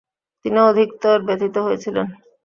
তিনি অধিকতর ব্যথিত হয়েছিলেন।